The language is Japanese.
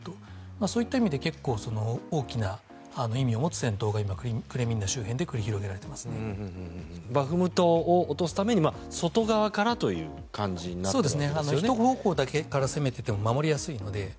そういった意味で結構、大きな意味を持つ戦闘が今クレミンナ周辺でバフムトを落とすために外側からという感じになっているんですね。